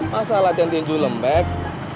masa latihan tinju lembek